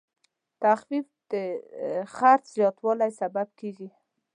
تخفیف د خرڅ زیاتوالی سبب کېږي.